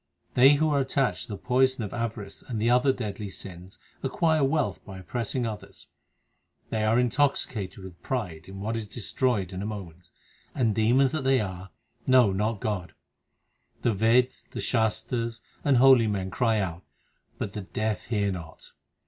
They who are attached to the poison of avarice and the other deadly sins acquire wealth by oppressing others. They are intoxicated with pride in what is destroyed in a moment, and, demons that they are, know not God. The Veds, the Shastars, and holy men cry out, but the deaf hear not.